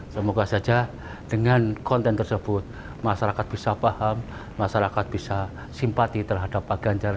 semoga saja dengan konten tersebut masyarakat bisa paham masyarakat bisa simpati terhadap pak ganjar